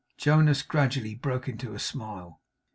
Jonas gradually broke into a smile.